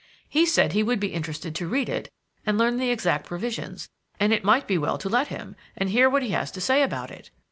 "He said he would be interested to read it and learn the exact provisions; and it might be well to let him, and hear what he has to say about it."